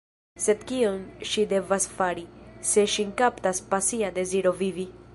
Sed kion ŝi devas fari, se ŝin kaptas pasia deziro vivi?